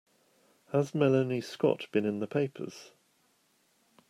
Has Melanie Scott been in the papers?